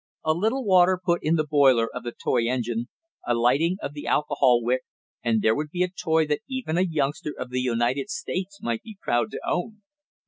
A little water put in the boiler of the toy engine, a lighting of the alcohol wick and there would be a toy that even a youngster of the United States might be proud to own.